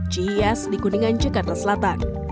cias di kuningan jakarta selatan